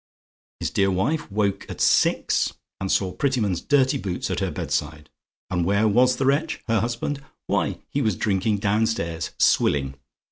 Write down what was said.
His dear wife woke at six, and saw Prettyman's dirty boots at her bedside. And where was the wretch, her husband? Why, he was drinking downstairs swilling.